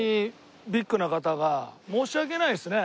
申し訳ないですね。